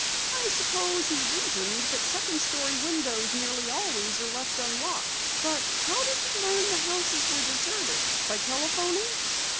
"I suppose he reasoned that second story windows nearly always are left unlocked. But how did he learn the houses were deserted? By telephoning?"